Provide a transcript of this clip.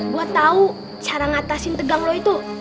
gue tau cara ngatasin tegang lo itu